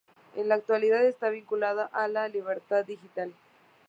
En la actualidad está vinculado a Libertad Digital.